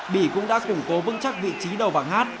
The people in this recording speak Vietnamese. bỉ cũng đã củng cố vững chắc vị trí đầu bảng hát